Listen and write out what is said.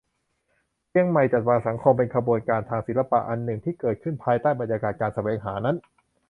"เชียงใหม่จัดวางสังคม" เป็นขบวนการทางศิลปะอันหนึ่งที่เกิดขึ้นภายใต้บรรยากาศการแสวงหานั้น